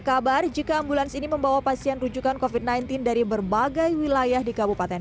kabar jika ambulans ini membawa pasien rujukan covid sembilan belas dari berbagai wilayah di kabupaten